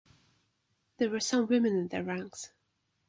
There were some women in their ranks.